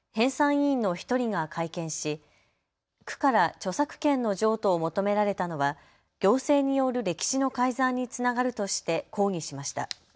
委員の１人が会見し区から著作権の譲渡を求められたのは行政による歴史の改ざんにつながるとして抗議しました。